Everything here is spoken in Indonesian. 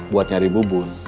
buat nyari bubun